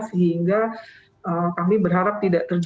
sehingga kami berharap tidak terjadi